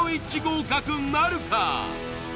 合格なるか！？